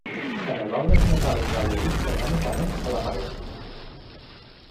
Canelobres metàl·lics adherits orgànicament a la paret.